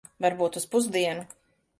Varbūt uz pusdienu.